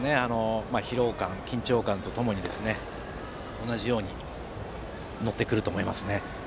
疲労感、緊張感とともに同じように乗ってくると思います。